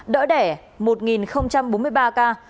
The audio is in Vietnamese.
đỡ đẻ một bốn mươi ba ca